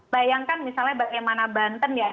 bayangkan misalnya bagaimana banten ya